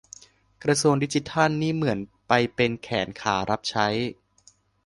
กระทรวงดิจิทัลนี่เหมือนไปเป็นแขนขารับใช้